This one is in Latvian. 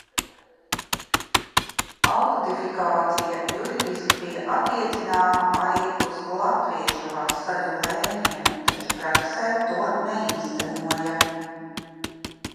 Alodifikācija juridiski bija attiecināma arī uz latviešu vasaļu lēņiem, taču praksē to neīstenoja.